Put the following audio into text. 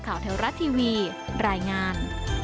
ข่าวเทวรัตทีวีรายงาน